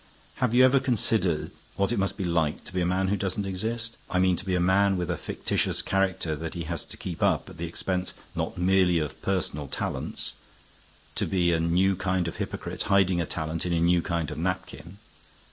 "Have you ever considered what it must be like to be a man who doesn't exist? I mean to be a man with a fictitious character that he has to keep up at the expense not merely of personal talents: To be a new kind of hypocrite hiding a talent in a new kind of napkin.